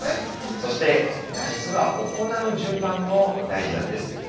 そして、実は行う順番も大事なんです。